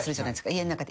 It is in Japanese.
家の中で。